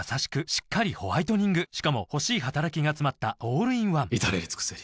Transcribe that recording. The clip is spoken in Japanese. しっかりホワイトニングしかも欲しい働きがつまったオールインワン至れり尽せり